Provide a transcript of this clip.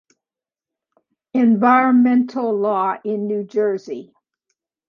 Environmental law in New Jersey